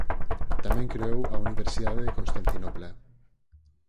Tamén creou a Universidade de Constantinopla.